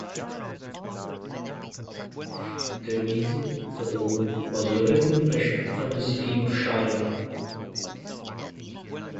The reason for the move was development pressure from the city of Sharjah.